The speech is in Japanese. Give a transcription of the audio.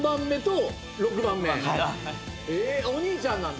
お兄ちゃんなんだ？